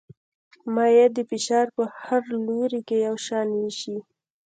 مایع د فشار په هر لوري کې یو شان وېشي.